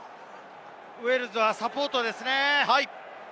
ウェールズはサポートですね。